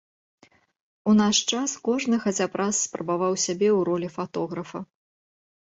У наш час кожны хаця б раз спрабаваў сябе ў ролі фатографа.